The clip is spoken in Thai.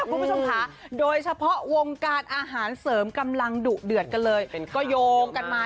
มุมค่ะโดยเฉพาะวงการอาหารเสริมกำลังดุเดือดก็เลยเป็นไปโยกันมา